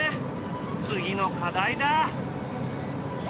次の課題だ。